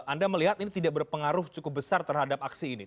anda melihat ini tidak berpengaruh cukup besar terhadap aksi ini